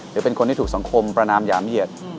หรือเป็นคนที่ถูกสังคมประนามหยามเหยียด